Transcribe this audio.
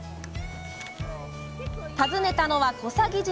訪ねたのは小佐木島。